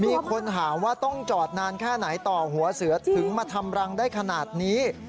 มีคนถามว่าต้องจอดนานแค่ไหนต่อหัวเสือถึงมาทำรังได้ขนาดนี้